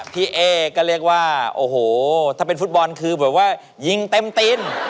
พี่เอ๊ก็เรียกว่าโอ้โหถ้าเป็นฟุตบอลคือแบบว่ายิงเต็มตีน